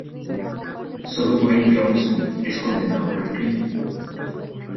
Sólo Dwayne Johnston es condenado por el crimen.